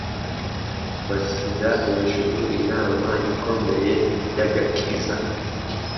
bashyira hejuru inama ikomeye y’agakiza,